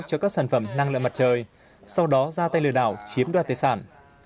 cho các sản phẩm năng lượng mặt trời sau đó ra tay lừa đảo chiếm đoạt tài sản